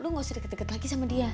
lu gak usah deket deket lagi sama dia